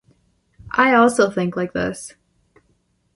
I also think like this.